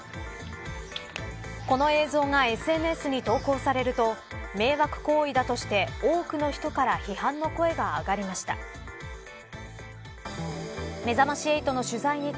この映像がＳＮＳに投稿されると迷惑行為だとして多くの人から批判の声が上がりました。